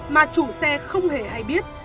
mà chủ xe không hề hay biết